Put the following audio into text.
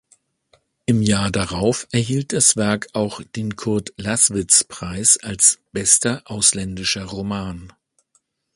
Im Jahr darauf erhielt das Werk auch den Kurd-Laßwitz-Preis als bester ausländischer Roman.